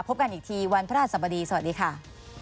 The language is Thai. พบกันอีกทีวันพระราชสบดีสวัสดีค่ะ